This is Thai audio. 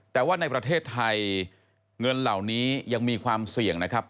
แต่ว่าในประเทศไทยเงินเหล่านี้ยังมีความเสี่ยงนะครับ